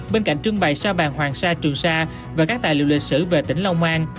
bên cạnh trưng bày sa bàn hoàng sa trường sa và các tài liệu lịch sử về tỉnh long an